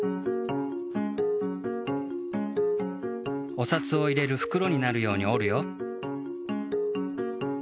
おさつを入れるふくろになるように折るよ。